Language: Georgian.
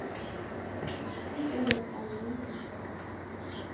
იმ პერიოდში კუნძულზე აშენდა იტალიური ციხე.